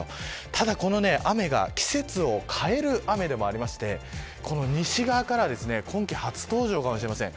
ただ、この雨が季節を変える雨でもありまして西側からは今季初登場かもしれません。